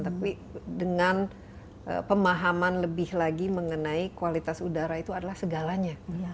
tapi dengan pemahaman lebih lagi mengenai kualitas udara itu adalah segalanya